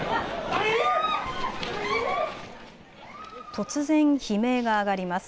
突然、悲鳴が上がります。